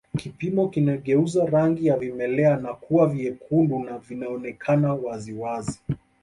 Kipimo kinageuza rangi ya vimelea na kuwa vyekundu na vinaonekana wazi wazi